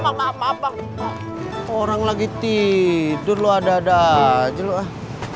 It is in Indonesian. nah pak udah pasti tapi udah soal kleteran